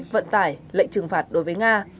vận tải lệnh trừng phạt đối với nga